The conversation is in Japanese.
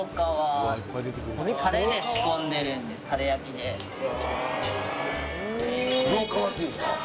これが黒皮っていうんですか？